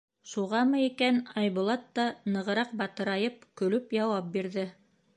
Шуғамы икән, Айбулат та, нығыраҡ батырайып, көлөп яуап бирҙе: